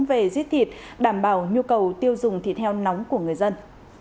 về giết thịt đảm bảo nhu cầu tiêu dùng thịt heo nóng của người dân